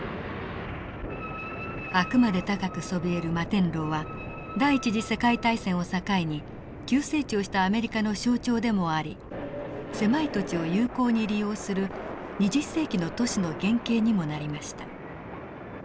あくまで高くそびえる摩天楼は第一次世界大戦を境に急成長したアメリカの象徴でもあり狭い土地を有効に利用する２０世紀の都市の原型にもなりました。